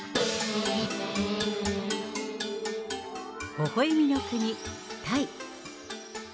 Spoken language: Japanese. ほほえみの国、タイ。